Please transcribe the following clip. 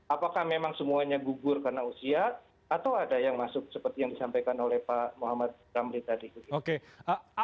apakah memang semuanya gugur karena usia atau ada yang masuk seperti yang disampaikan oleh pak muhammad ramli tadi